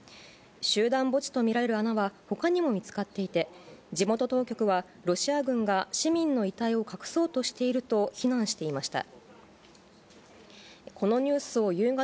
集団墓地と見られる穴はほかにも見つかっていて、地元当局は、ロシア軍が市民の遺体を隠そうとしていると非難していました。